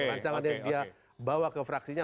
rancangan yang dia bawa ke fraksinya